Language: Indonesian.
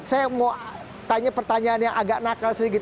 saya mau tanya pertanyaan yang agak nakal sedikit